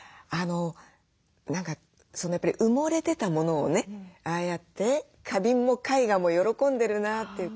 何かやっぱり埋もれてたものをねああやって花瓶も絵画も喜んでるなって。